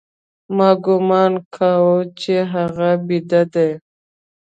ما گومان کاوه چې هغه بيده دى.